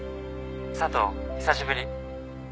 佐藤久しぶり。